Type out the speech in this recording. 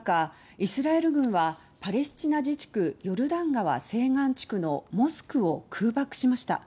イスラエル軍はパレスチナ自治区ヨルダン川西岸地区のモスクを空爆しました。